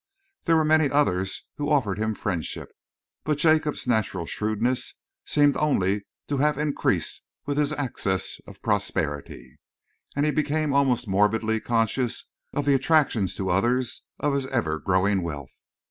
There were many others who offered him friendship, but Jacob's natural shrewdness seemed only to have increased with his access of prosperity, and he became almost morbidly conscious of the attractions to others of his ever growing wealth.